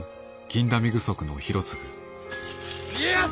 家康！